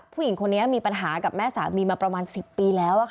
ผู้หญิงคนนี้มีปัญหากับแม่สามีมาประมาณ๑๐ปีแล้ว